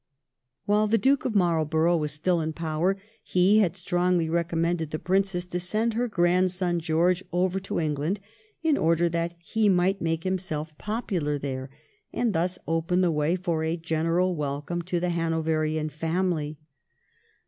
While the Duke of Marlborough was still in power, he had strongly recommended the Princess to send her grandson George over to England in order that he might make himself popular there, and thus open the way for a general welcome to the Hanoverian family.